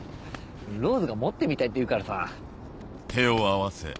ローズが持ってみたいって言うからさ。